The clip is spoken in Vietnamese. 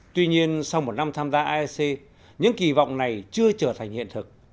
tuy nhiên sau một năm tham gia aec những kỳ vọng này chưa trở thành hiện thực